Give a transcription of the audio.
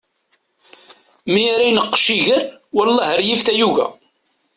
Mi ara ineqqec iger, wellah ar yif tayuga.